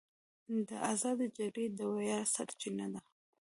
د ازادۍ جګړې د ویاړ سرچینه ده.